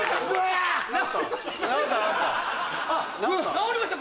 直りました！